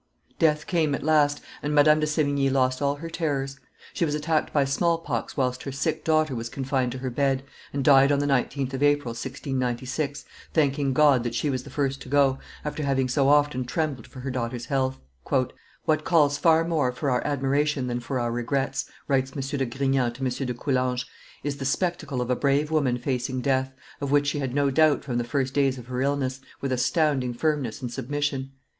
Death came at last, and Madame de Sevigne lost all her terrors. She was attacked by small pox whilst her sick daughter was confined to her bed, and died on the 19th of April, 1696, thanking God that she was the first to go, after having so often trembled for her daughter's health. "What calls far more for our admiration than for our regrets," writes M. de Grignan to M. de Coulanges, "is the spectacle of a brave woman facing death, of which she had no doubt from the first days of her illness, with astounding firmness and submission.